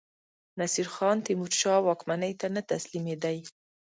نصیرخان تیمورشاه واکمنۍ ته نه تسلیمېدی.